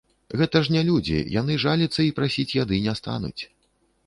Гэта ж не людзі, яны жаліцца і прасіць яды не стануць.